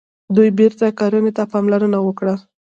دوی بیرته کرنې ته پاملرنه وکړه.